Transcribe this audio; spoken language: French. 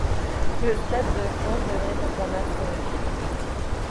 Le stade de France devrait être à Marseille.